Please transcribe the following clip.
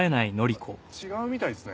違うみたいですね。